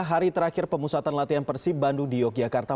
hari terakhir pemusatan latihan persib bandung di yogyakarta